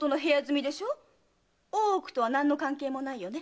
大奥とは何の関係もないよね。